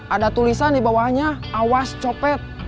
ada tulisan dibawahnya awas copet